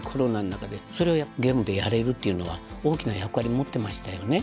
それをゲームでやれるっていうのは大きな役割を持ってましたよね。